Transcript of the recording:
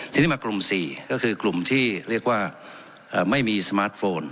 ทีนี้มากลุ่ม๔ก็คือกลุ่มที่เรียกว่าไม่มีสมาร์ทโฟน